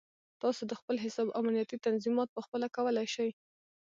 تاسو د خپل حساب امنیتي تنظیمات پخپله کولی شئ.